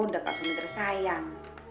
udah kak soni tersayang